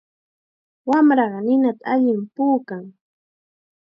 Wamraqa ninata allim puukan.